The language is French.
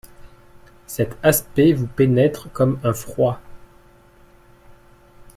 Cet aspect vous pénètre comme un froid.